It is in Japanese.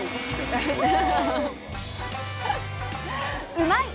「うまいッ！」